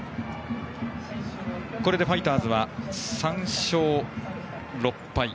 これでファイターズは３勝６敗。